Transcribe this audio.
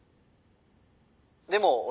でも俺。